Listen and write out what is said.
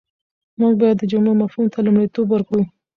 موږ بايد د جملې مفهوم ته لومړیتوب ورکړو.